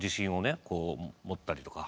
こう持ったりとか。